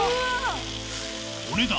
お値段